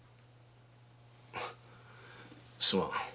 すまん。